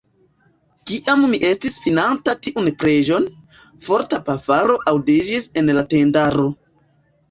Kiam mi estis finanta tiun preĝon, forta pafaro aŭdiĝis en la tendaro.